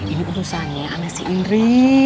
ini urusannya sama si indri